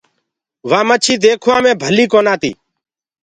وآ مڇي ديکوآ مي ڀلي ڪونآ تي۔